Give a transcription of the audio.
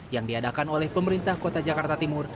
yang diadakan oleh pemerintah kota jakarta timur